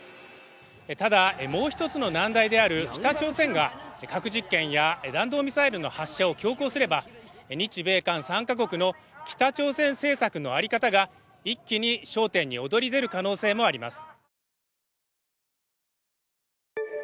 ただもう一つの難題である北朝鮮が核実験や弾道ミサイルの発射を強行すれば日米韓３か国の北朝鮮政策の在り方が一気に焦点に躍り出る可能性もあります